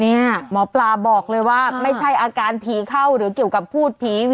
หมอปลาบอกเลยว่าไม่ใช่อาการผีเข้าหรือเกี่ยวกับพูดผี